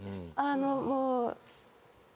あのもう。